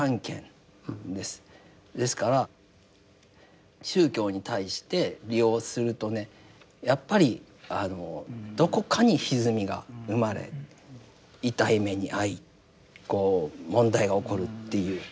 ですから宗教に対して利用するとねやっぱりどこかにひずみが生まれ痛い目に遭いこう問題が起こるっていう。